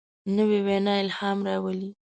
نوې وینا الهام راولي